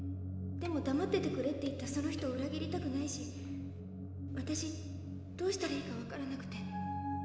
でも「だまっててくれ」って言ったその人を裏切りたくないし私どうしたらいいかわからなくて。